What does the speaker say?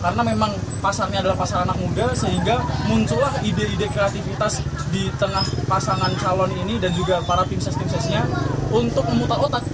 karena memang pasarnya adalah pasaran anak muda sehingga muncullah ide ide kreatifitas di tengah pasangan calon ini dan juga para tim sukses tim suksesnya untuk memutar otak